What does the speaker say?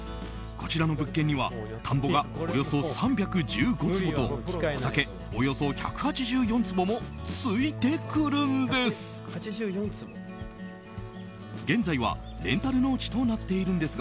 こちらの物件には田んぼがおよそ３１５坪と畑およそ１８４坪も付いてくるんです。